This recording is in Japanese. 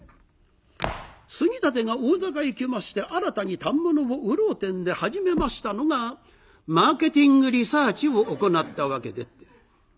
杉立が大坂行きまして新たに反物を売ろうてんで始めましたのがマーケティングリサーチを行ったわけでって。